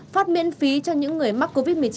phát miễn phí cho những người mắc covid một mươi chín